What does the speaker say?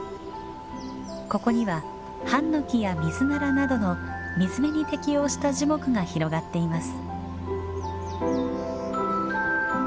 ここにはハンノキやミズナラなどの水辺に適応した樹木が広がっています。